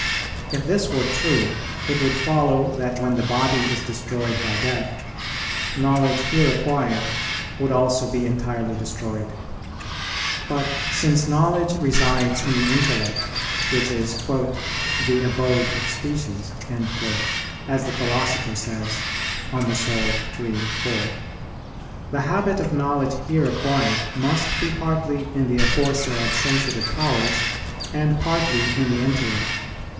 If this were true, it would follow that when the body is destroyed by death, knowledge here acquired would also be entirely destroyed. But, since knowledge resides in the intellect, which is "the abode of species," as the Philosopher says (De Anima iii, 4), the habit of knowledge here acquired must be partly in the aforesaid sensitive powers and partly in the intellect.